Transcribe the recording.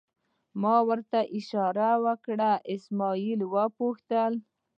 ما ته یې اشاره وکړه، اسمعیل یې وپوښتل.